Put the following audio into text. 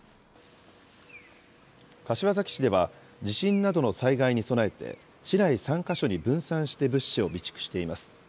柏崎市では、地震などの災害に備えて、市内３か所に分散して物資を備蓄しています。